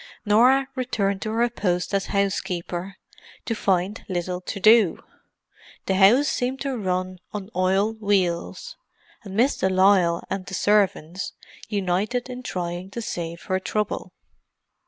Norah returned to her post as housekeeper, to find little to do; the house seemed to run on oiled wheels, and Miss de Lisle and the servants united in trying to save her trouble.